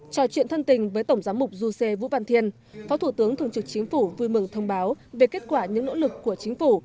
trò chuyện thân tình với tổng giám mục du sê vũ văn thiên phó thủ tướng thường trực chính phủ vui mừng thông báo về kết quả những nỗ lực của chính phủ